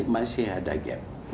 masih ada gap